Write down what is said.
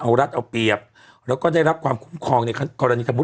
เอารัฐเอาเปรียบแล้วก็ได้รับความคุ้มครองในกรณีสมมุติ